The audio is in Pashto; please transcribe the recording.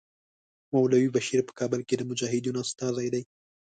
مولوي بشیر په کابل کې د مجاهدینو استازی دی.